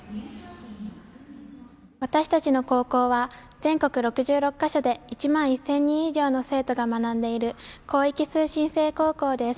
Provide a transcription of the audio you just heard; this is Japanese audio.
私たちの高校は全国６６か所で１万１０００人以上の生徒が学んでいる広域通信制高校です。